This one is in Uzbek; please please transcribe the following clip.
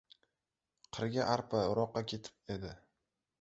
Qirga arpa o‘roqqa ketib edi.